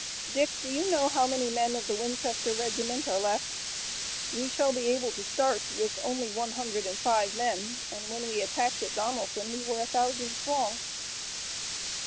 Dick, do you know how many men of the Winchester regiment are left? We shall be able to start with only one hundred and five men, and when we attacked at Donelson we were a thousand strong."